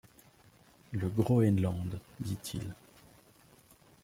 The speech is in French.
Le Groënland, dit-il.